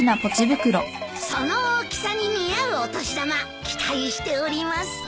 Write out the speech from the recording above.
その大きさに見合うお年玉期待しております。